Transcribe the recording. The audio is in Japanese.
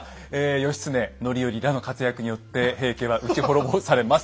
義経範頼らの活躍によって平家は打ち滅ぼされます。